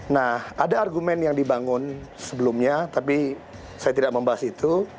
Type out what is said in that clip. nah ada argumen yang dibangun sebelumnya tapi saya tidak membahas itu